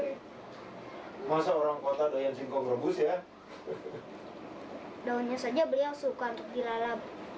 ya masa orang kota daya singkong rebus ya daunnya saja beliau suka untuk dilalap